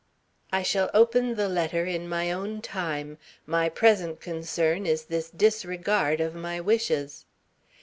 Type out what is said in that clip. "I shall open the letter in my own time. My present concern is this disregard of my wishes."